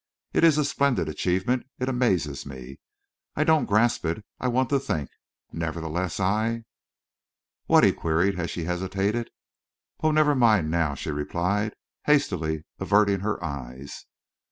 It is a splendid achievement. It amazes me. I don't grasp it. I want to think. Nevertheless I—" "What?" he queried, as she hesitated. "Oh, never mind now," she replied, hastily, averting her eyes.